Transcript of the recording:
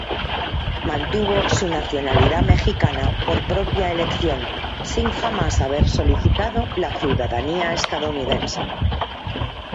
Mantuvo su nacionalidad mexicana por propia elección, sin jamás haber solicitado la ciudadanía estadounidense.